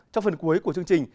trong phần cuối của chương trình